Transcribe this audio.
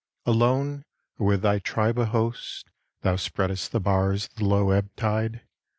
Alone, or with thy tribe a host Thou spreadest the bars of the low ebbed tide.